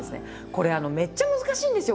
これめっちゃ難しいんですよ。